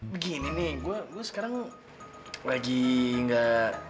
begini nih gua gua sekarang lagi nggak